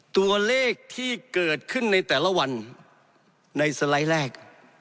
ตัวเลขที่เกิดขึ้นในแต่ละวันในสไลด์แรก